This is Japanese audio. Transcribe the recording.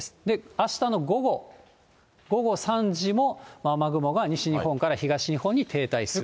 あしたの午後、午後３時も雨雲が西日本から東日本に停滞する。